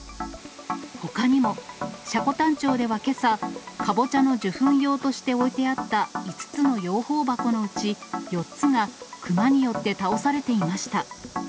ほかにも、積丹町ではけさ、カボチャの授粉用として置いてあった５つの養蜂箱のうち４つがクマによって倒されていました。